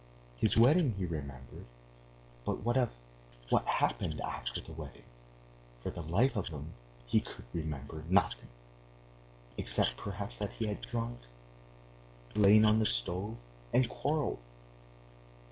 His wedding he remembered, but of what happened after the wedding for the life of him he could remember nothing, except perhaps that he had drunk, lain on the stove, and quarreled.